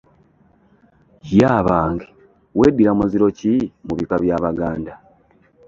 Ye abange weddira muziro ki mu bika by'Abaganda?